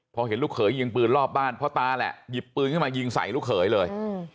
พอเห็นลูกเขยยิงปืนรอบบ้านพ่อตาแหละหยิบปืนขึ้นมายิงใส่ลูกเขยเลย